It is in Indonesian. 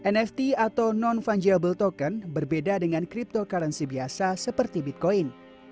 nft atau non fungiable token berbeda dengan cryptocurrency biasa seperti bitcoin